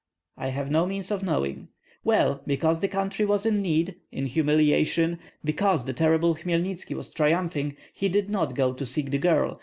"I have no means of knowing." "Well, because the country was in need, in humiliation, because the terrible Hmelnitski was triumphing, he did not go to seek the girl.